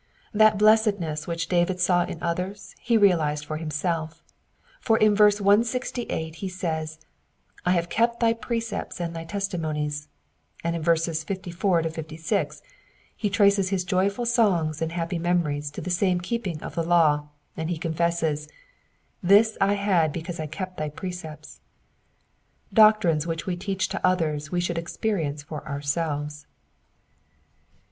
That blessedness which David saw in others he realized for himself, for in verse 168 he says, I have kept thy precepts and thy testimonies/' and in verses 54 to 5(5 he traces his joyful songs and happy memories to this same keeping of the law, and he confesses, This I had because I kept thy precepts.*' Doctrines which we teach to others we should experience for ourselves.